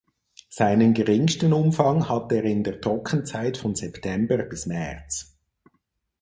Seinen geringsten Umfang hat er in der Trockenzeit von September bis März.